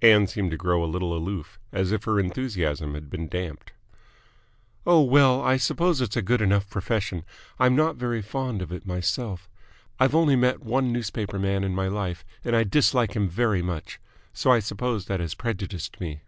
Ann seemed to grow a little aloof, as if her enthusiasm had been damped. "Oh, well, I suppose it's a good enough profession. I'm not very fond of it myself. I've only met one newspaper man in my life, and I dislike him very much, so I suppose that has prejudiced me."